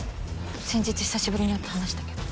先日久しぶりに会って話したけど。